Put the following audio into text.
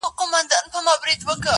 سرې لا څه ته وا د وینو فوارې سوې!.